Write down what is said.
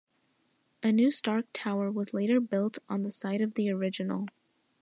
A new Stark Tower was later built on the site of the original.